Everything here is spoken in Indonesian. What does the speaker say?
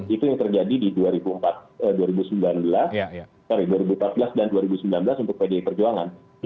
itu yang terjadi di dua ribu empat belas dan dua ribu sembilan belas untuk pdi perjuangan